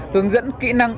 hướng dẫn kỹ năng